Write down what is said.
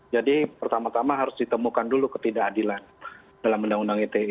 jadi pertama tama harus ditemukan dulu ketidakadilan dalam undang undang ite